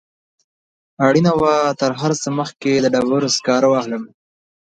اړینه وه تر هر څه مخکې د ډبرو سکاره واخلم.